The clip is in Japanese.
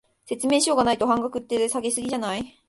説明書がないと半額って、下げ過ぎじゃない？